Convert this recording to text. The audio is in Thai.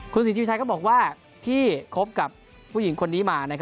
คุณศรีธีชัยก็บอกว่าที่คบกับผู้หญิงคนนี้มา